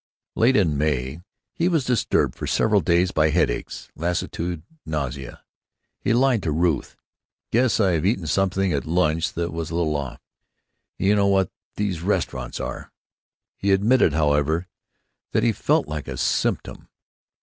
Late in May he was disturbed for several days by headaches, lassitude, nausea. He lied to Ruth: "Guess I've eaten something at lunch that was a little off. You know what these restaurants are." He admitted, however, that he felt like a Symptom.